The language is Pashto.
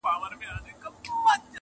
شهيد زما دی، د وېرژلو شيون زما دی،